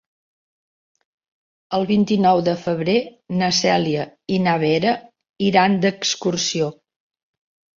El vint-i-nou de febrer na Cèlia i na Vera iran d'excursió.